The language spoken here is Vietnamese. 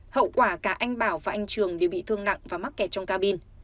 hậu quả cả anh bảo và anh trường đều bị thương nặng và mắc kẹt trong ca bin